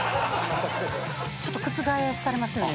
ちょっと覆されますよね